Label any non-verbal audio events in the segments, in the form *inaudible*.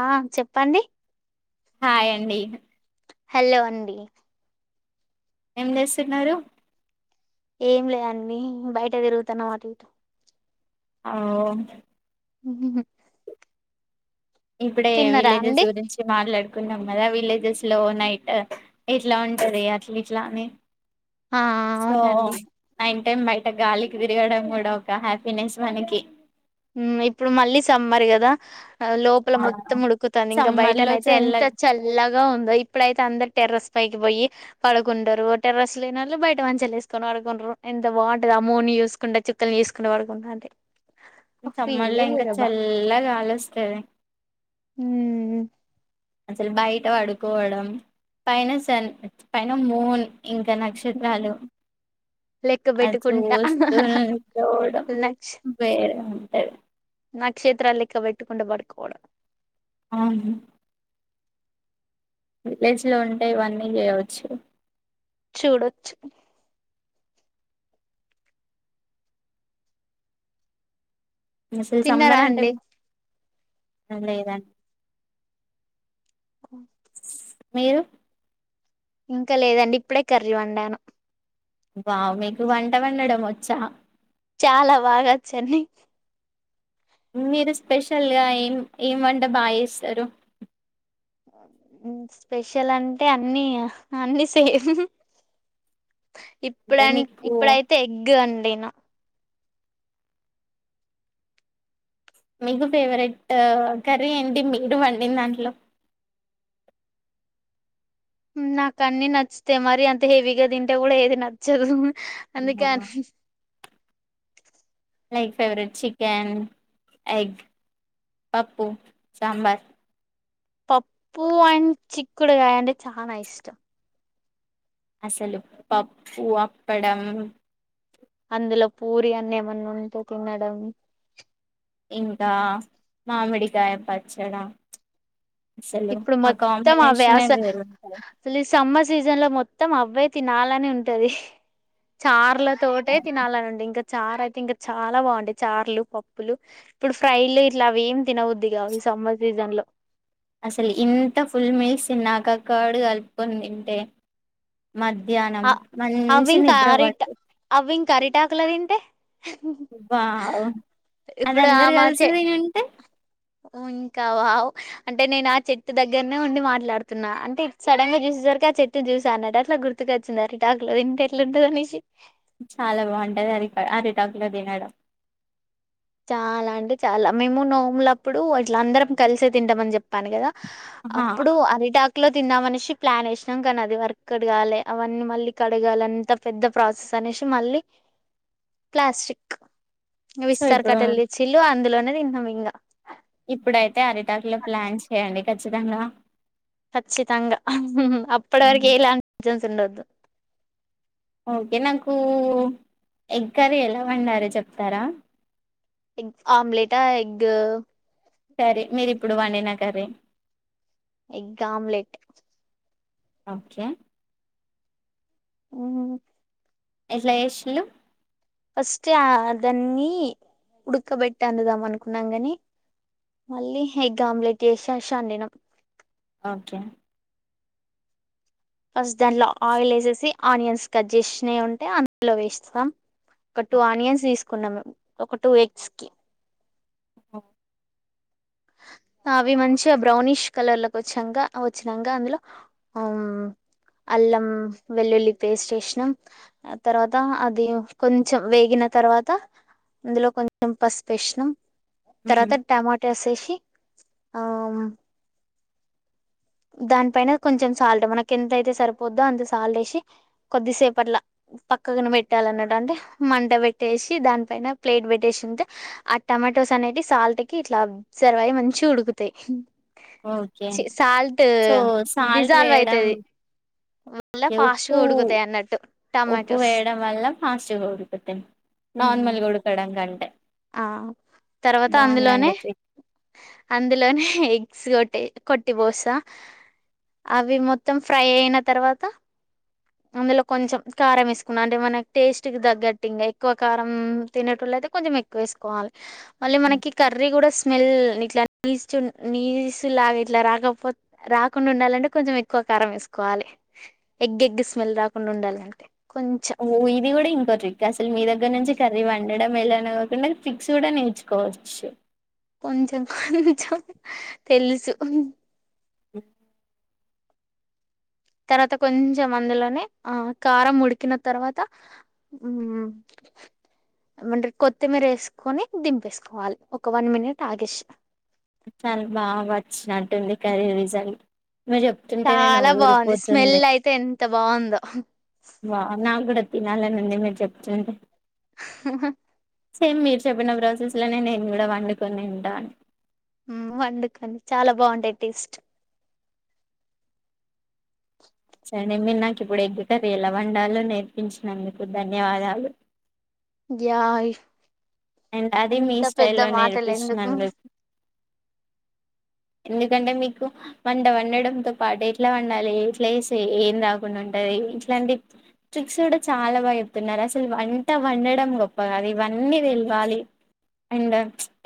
ఆ చెప్పండి హాయ్ అండి హలో అండి ఏం చేస్తున్నారు ఏం లేదండి బయట తిరుగుతున్నాం అటు ఇటు ఓ ఉహుహు ఇప్పుడే విలేజెస్ అండి గురించి మాట్లాడు అనుకున్నాం గదా విలేజెస్ లో నైట్ ఇట్లా ఉంటంది అట్లా ఇట్లా అని ఆ అవునండి అంటే బయట గాలికి తిరగడం కూడా ఒక హ్యాపీనెస్ మనకి ఉ ఇప్పుడు మళ్ళీ సమ్మర్ గదా లోపల ఆ మొత్తం ఉడుకుతంది ఇంకా సమ్మర్ బయటన లో అయితే చల్ల ఎంత చల్లగా ఉందో ఇప్పుడైతే అందరు టెర్రస్ పైకి పోయి పడుకుంటరు టెర్రస్ లేనళ్ళు బయట మంచలు ఎసుకొని పడుకుంటరు ఎంత బాగుంటది ఆమూని చూసుకుంటడా చుక్కల్ చూసుకుని పడుకుంటా అంటే ఆ ఫీలే సమ్మలో ఇంకా వేరబ్బా చల్లగాలొస్తది ఉమ్ అసలు బయట వడుకోవడం పైన సన్ పైన మూన్ ఇంకా నక్షత్రాలు లెక్క అది పెట్టుకుంటా చూస్తూ నిద్ర పోవడం వేరే ఉంటది నాక్షేత్రాలెక్క పెట్టుకుంటూ పడుకోవడం అవును విలేజ్ లో ఉంటే ఇవన్నీ జేయవచ్చు చూడొచ్చు ఇంగ అసలు తిన్నారా సమ్మర్ అంటే అండి లేదండి ఓ మీరు ఇంకా లేదండి ఇప్పుడే కర్రీ వండాను వావ్ మీకు వంట వండడం వచ్చా చాలా బాగొచ్చండి మీరు స్పెషల్ గా ఏం ఏం వంట బాగా ఎస్తారు స్పెషల్ అంటే అన్ని ఇగ అన్ని సేమ్ అంటే ఇప్పుడన్ మీకు ఇప్పుడైతే ఎగ్ అండి నా మీకు ఫేవరెట్ కర్రీ ఎంటి మీరు వండిందాంట్లో నాక అన్ని నచ్చుతాయి మరి అంత హెవీగా దింటే గూడా ఏది నచ్చదు అందుకే లైక్ ఫెవరెట్ చికెన్ ఎగ్ పప్పు సాంబార్ పప్పు అండ్ చిక్కుడుగాయ అంటే చానా ఇష్టం అసలు పప్పు, అప్పడం అందులో పూరి అన్న ఏమన్నా ఉంటే తిన్నాడేమో ఇంకా మామిడికాయ పచ్చడ అసలు ఇప్పుడు ఆ మొత్తం అవే కాంబినేషనే అసలు వేరుంటాది ఈ సమ్మర్ సీజన్ లో మొత్తం అవే తినాలని ఉంటది చార్లో తోటే తినాలనుండే ఇంకా చారు అయితే ఇంకా చాలా బాగుండే చార్లు, పప్పులు ఇప్పుడు ఫ్రైలు ఇట్లా అవి ఏం తిన బుద్ధి కావు ఈ సమ్మర్ సీజన్ లో అసలు ఇంత ఫుల్ మీల్స్ తిన్నాక కర్డ్ కలుపుకొని తింటే మధ్యాహ్నం అ అవి మంచి నిద్రవ్వట్టు కుల తింటే వావ్ అది ఇప్పుడు ఆ అందరు మా కలిసి చె తినుంటే ఇంకా వావ్ అంటే నేను ఆ చెట్టు దగ్గరనే ఉండి మాట్లాడుతున్నా అంటే సడన్ గా చూసేసరికి ఆ చెట్టు చూసా అన్నట్టు అట్లా గుర్తు గుర్తుకు వచ్చింది అరిటాకులో తింటే ఎట్లుంటదనేసి చాలా బాగుంటది అరి అరిటాకు లో తినడం చాలా అంటే చాలా మేము నోములప్పుడు అట్లా అందరం కలిసే తింటామని చెప్పాను కదా హా అప్పుడు అరిటాక్ లో తిన్నామనేసి ప్లాన్ వేసినాం కానీ అది వర్క్ ఔట్ కాలే అవన్నీ మళ్ళీ కడగాలి అంత పెద్ద ప్రాసెస్ అనేసి మళ్ళీ ప్లాస్టిక్ సో విస్తర ఇప్పుడు కట్టలు తెచ్చిళ్ళు అందులోనే తిన్నం ఇంగా ఇప్పుడైతే అరిటాకులో ప్లాన్ చేయండి ఖచ్చితంగా ఖచ్చితంగా అప్పటి వరకు హ్మ్. ఎయిలా తన్నదు ఓకే నాకు ఎగ్ కర్రి ఎలా వండారో చెప్తారా ఎగ్ ఆమ్లేటా ఎగ్గు సరే మీరి ఇప్పుడు వండినా కర్రి ఎగ్ ఆమ్లేట్ ఓకే మ్మ్ ఎట్ల చేసిండు ఫస్ట్ అ దన్ని ఉడకబెట్టి అందుదాం అనుకున్నాం కాని మళ్ళీ ఎగ్ ఆమ్లెట్ చేసేశా నేను ఓకే ఫస్ట్ దాంట్లో ఆయిల్ వేసేసి ఆనియన్స్ కట్ చేసినవి ఉంటే అందులో వేస్తాం ఒక టూ ఆనియన్స్ తీసుకున్నాం ఒక టూ ఎగ్స్ కి మ్మ్ అవి మంచిగా బ్రౌనిష్ కలర్లోకి వచ్చాక వచ్చినాక అందులో అల్లం, వెల్లుల్లి పేస్ట్ వేసినాం తర్వాత అది కొంచెం వేగిన తర్వాత అందులో కొంచెం పసుపేసినాం హుహు. తరవాత టమోట ఎషేశి ఆ దానిపైన కొంచెం సాల్ట్ మనకు ఎంతయితే సరిపోద్దో అంత సాల్ట్ వేసి కొద్దిసేపు అట్లా పక్కగా పెట్టాలిన్నట్టు అంటే మంట పెట్టేసి దానిపైన ప్లేట్ పెట్టేసి ఉంటే ఆ టమాటోస్ అనేటి సాల్ట్ కి ఇట్లా సర్వయి మంచి ఉడుకుతాయి ఓకే చి సాల్ట్ సో సాల్ట్ డిజాల్వ్ వేయడం అయితది అలా ఓకే ఉప్పు ఫాస్ట్గా ఉడుకుతాయి అన్నట్టు ఉప్పు టమాటోస్ వేయడం వల్ల ఫాస్ట్గా ఉడికుతాం ఉమ్ నార్మల్గా ఉడకడం కంటే ఆ తర్వాత అందులోనే బాగుందండి ట్రిక్ అందులోనే ఎగ్స్ కొట్టి కొట్టి బోస అవి మొత్తం ఫ్రై అయిన తర్వాత అందులో కొంచెం కారం వేసుకున్నా అంటే మనకి టేస్ట్ క తగ్గట్టు ఇంకా ఎక్కువ కారం తినేటల అయితే కొంచెం ఎక్కువ వేసుకోవాలి మళ్ళీ మనకి కర్రీ కూడా స్మెల్ ఇట్లా నీచు నీచు లాగా ఇట్లా రాకపో రాకుండా ఉండాలంటే కొంచెం ఎక్కువ కారం వేసుకోవాలి ఎగ్ ఎగ్ స్మెల్ రాకుండా ఉండాలింటే ఓ ఇది కూడా ఇంకో రక్ అసలు మీ దగ్గర నుంచి కర్రీ వండి ఉండడం వెళ్ళ అ కాకుండాది ఫిక్స్ కూడా నేర్చుకోవచ్చు కొంచెం కొంచెం తెలుసు అ తర్వాత కొంచెం అందులోనే ఆ కారం ఉడికిన తర్వాత ఏమంట కొత్తిమీర వేసుకొని దింపేసుకోవాలి ఒక వన్ మినిట్ ఆగేసి చాలా బాగా వచ్చినట్టుంది కరీ రీజాలు చాలా బాగుంది స్మెల్ అయితే ఎంత బాగుందో తినాలా నుంది మీరు చెప్తుండి సేమ్ మీరు చెప్పిన ప్రాసెస్ లోనే నేను కూడా వండుకొని ఉంటాను అందుకని చాలా బాగుంటాయి టేస్ట్ సరే మీరు నాకు ఇప్పుడు ఎగ్గట రీల వండాలో నేర్పించినందుకు ధన్యవాదాలు యి అండ్ అది మీ స్టైల్ లో ఎందుకు నేర్పిస్తున్నాను మీకు ఎందుకంటే మీకు వంట వండడంతో పాటు ఎట్లా వండాలి ఎట్లా వే ఏం రాకుండా ఉంటది ఇట్లాంటి స్ట్రిక్స్ కూడా చాలా బాగా చెప్తున్నారు అసలు వంట వండడం గొప్ప కాదు ఇవన్నీ వె బగా అండ్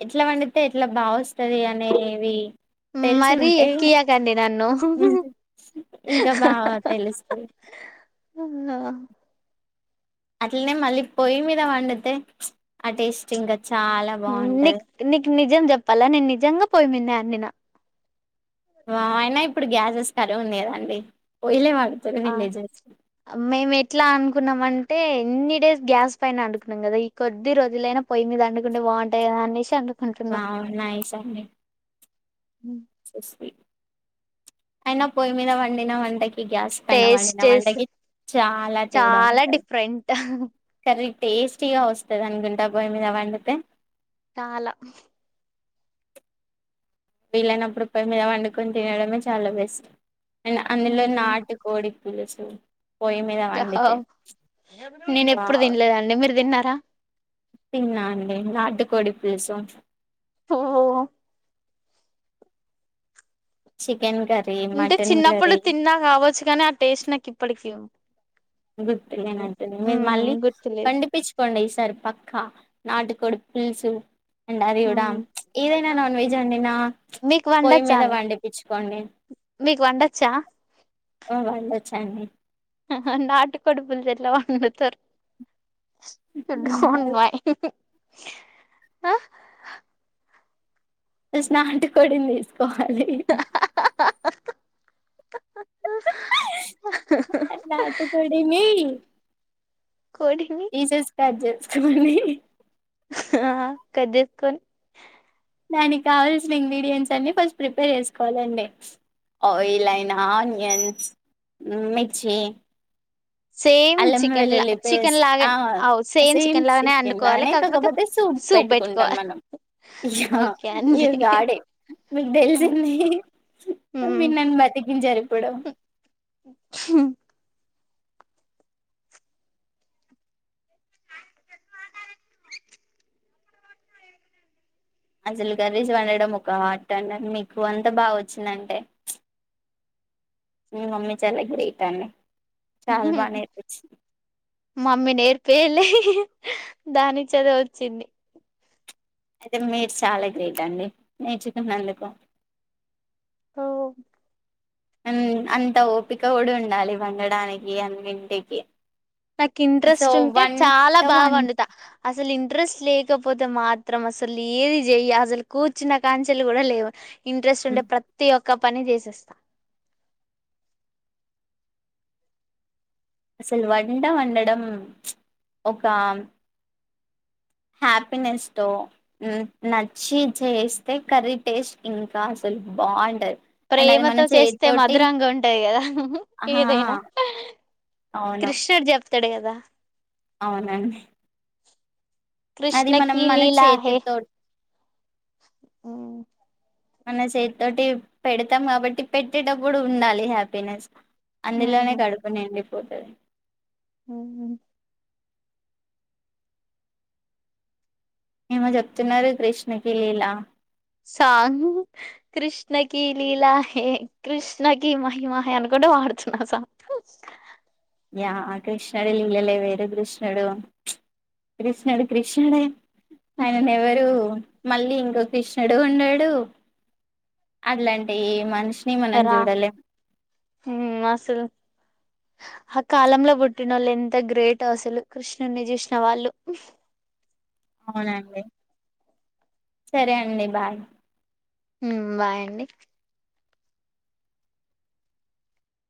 ఎట్లా వండితే ఎట్లా బాగా వస్తుంది అనేవి తెలిసి మరీ ఉంటే ఎక్కియాకండి నన్ను ఇంకా బాగా తెలుస్తది *unintelligible* అట్లనే మళ్ళీ పొయ్యి మీద వండుతే ఆ టేస్ట్ ఇంకా చాలా బాగుంటది నిక్ నీకు నిజం చెప్పాలా నేను నిజంగా పోయి మీదనే అండిన వాహ్ అయినా ఇప్పుడు గ్యాసెస్ కరువ ఉంది కదండి పోయిలే వాళ్ ఆ మేము ఎట్లా అనుకున్నామన్ అంటే ఎన్ని డేస్ గ్యాస్ పైన అండుకున్నాం కదా ఈ కొద్ది రోజులైనా పయ్యి మీద అంకుంటే బాగుంటా కదా అనేసి అండుకుంటున్నాం వావ్ నైస్ అండి ఉమ్ అయినా పోయి మీద వండినా వంటక్ ఈ గ్యాస్ పైన వండిన టేస్ట్ వండకి చాలా తేడా చాలా ఉంటంది డిఫరెంట్ కర్రీ టేస్టీగా వస్తాద్ అనుకుంటా పోయ్ మీద వండుతే చాలా వీళ్ళైనప్పుడు పోయి మీద వండుకొని తినడమే చాలా బెస్ట్ అండ్ అందులో నాటు కోడి *unintelligible* యాహౌ నేను ఎప్పుడు తినలేదండి మీరు తిన్నారా తిన్నాండి నాటుకోడి పులుసు ఓహ్ చిక్ అంటే చిన్నప్పుడు తిన్నా కావచ్చు కాని ఆ టేస్ట్ నాకు ఇప్పటికిీ ఉన్ గుర్తులేనంటుంది మీరు మ్మ్ మళ్ళీ గుర్తులేదు వండిపించుకోండి ఈసారి పక్ క్క నాటుకోడు పుల్సు అండ్ అది కూడా మ్మ్ ఏదైనా నాన్ వెజ్ అండి నా మీకు పొయ్యి వండొచ్చా మీద అండి వండిపించుకోండి మీకు వండొచ్చా చండీ నాటు కోడి పులుసు ఎట్లా వండుతారు యు హ్మ్. డోంట్ మైండ్ ఆ జస్ట్ నాటుకోడినీ తిస్ కావాలి నాటుకోడి నీ కోడిని పీసెస్ కట్ చేస్కో ఆహ్ కట్ చేసుకొని దానికి కావాల్సిన ఇంగ్రీడియంట్స్ అన్ని ఫస్ట్ ప్రిపేర్ చేసుకోవాలండి ఆయిల్ అయినా ఆనియన్స్ మిర్చి సేమ్ అల్లమ్మ చికెన్ లా వెల్లుల్లి చికెన్ పేస్ట్ లాగే ఆ అవు సేమ్ లాగానే చికెన్ వండుకోవాలి లాగానే కాకపోతే సూప్ పెట్టుకుంటాం మనం ఇ ఓకే అండి ఇ గాడే మీకు తెలిసింది మిరు ఉమ్. నన్ను బతికించరు ఇప్పుడు అసలు కర్రీస్ వండడం ఒక ఆర్ట్ అండి మీకు వంట బాగా వచ్చిందంటే మీ మమ్మీ చాల గ్రేట్ అండి చాల బాగా నేర్పించింది మమ్మీ నేర్పేయలే దానికి అదే వచ్చింది అయితే మీరు చాలా గ్రేట్ అండి నేర్చుకున్నందుకు హ అంత ఓపిక కూడా ఉండాలి వండడానికి అన్నింటికి నాకు సో ఇంట్రెస్ట్ ఉంటే చాలా వంట వం బాగువండుతా అసలు ఇంట్రెస్ట్ లేకపోతే మాత్రం అసలు ఏది చెయ్యి అసలు కూర్చిన కాంచెలి కూడా లేవ ఇంట్రెస్ట్ ఉంటే ప్రతి ఒక్క ప క పని చేసేస్తా అసలు వంట వండడం ఒక హ్యాపీనెస్ తో నచ్చి చేస్తే కర్రీ టేస్ట్ ఇంకా అసలు బాగుంటది అండ్ అది మన ప్రేమతో చేస్తే చేతితోటి మధురంగా ఉంటది కదా ఆ ఏదైనా అవును కృష్ణుడు చెప్తాడు కదా దా అవునండి అది మనం కృష్ణకి మన లీలా హే చేతితో అ మన చేతితోటి పెడతాం కాబట్టి పెట్టేటప్పుడు ఉండాలి హ్యాపీనెస్. అందులోనే కడుపునిండి పోతది హుహు ఏమో చెప్తున్నారు కృష్ణకి లీలా సాంగ్ కృష్ణకి లీలా హే, కృష్ణకి మహిమహే అనుకుంటే వాడుతున్నా సాంగ్. యా ఆ కృష్ణుడి లీలలే వేరు, కృష్ణడు కృష్ణడు కృష్ణడే ఆయనను ఎవరు మళ్ళీ ఇంకో కృష్ణుడు ఉండడు, అట్లాంటి మనిషి రా ఉమ్ అసలు ఆ కాలంలో పుట్టినోళ్ళు ఎంత గ్రేట్ అసలు, కృష్ణుని చూసిన వాళ్ళు అవునండి, సరే అండి బాయ్. ఉమ్ బాయ్ అండి.